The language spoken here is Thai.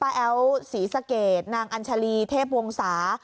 แอ้วศรีสะเกดนางอัญชาลีเทพวงศา